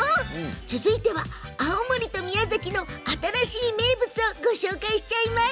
続いては青森と宮崎の新しい名物をご紹介しちゃいます。